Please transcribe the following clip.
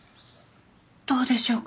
どうでしょうか？